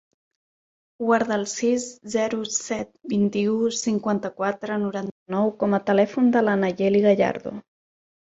Guarda el sis, zero, set, vint-i-u, cinquanta-quatre, noranta-nou com a telèfon de la Nayeli Gallardo.